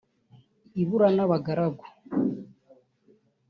ibura n’abagaragu